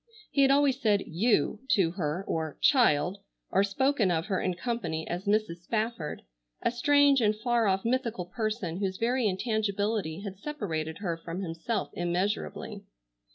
He had always said "you" to her, or "child," or spoken of her in company as "Mrs. Spafford," a strange and far off mythical person whose very intangibility had separated her from himself immeasurably.